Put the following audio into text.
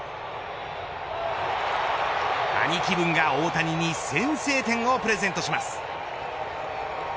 兄貴分が大谷に先制点をプレゼントします。